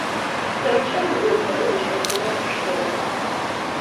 Сэркӏэ мы ӏофыр зэшӏохыгъэ хъущтэп.